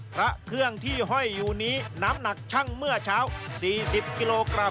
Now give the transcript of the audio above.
พระเครื่องที่ห้อยอยู่นี้น้ำหนักช่างเมื่อเช้า๔๐กิโลกรัม